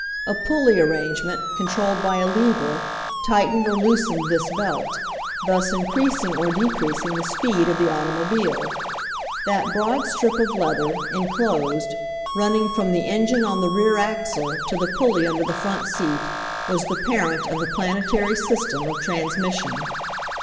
A pulley arrangement, controlled by a lever, tightened or loosened this belt, thus in creasing or decreasing the speed of the automo bile. That broad strip of leather, inclosed, run ning from the engine on the rear axle to the 84 HENRY FORD'S OWN STORY pulley under the front seat, was the parent of the planetary system of transmission.